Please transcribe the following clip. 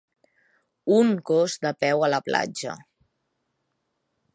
Un gos de peu a la platja.